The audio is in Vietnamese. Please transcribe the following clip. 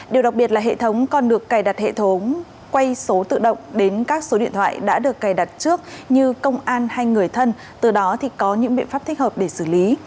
điều đặc biệt là hệ thống còn được cài đặt hệ thống quay số tự động đến các số điện thoại đã được cài đặt trước như công an hay người thân từ đó thì có những biện pháp thích hợp để xử lý